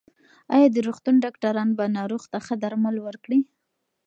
ایا د روغتون ډاکټران به ناروغ ته ښه درمل ورکړي؟